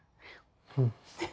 うん。